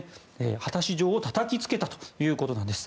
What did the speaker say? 果たし状をたたきつけたということです。